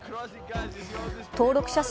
登録者数